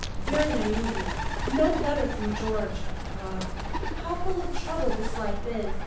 Very uneasy. No letter from George. Ah, how full of trouble this life is!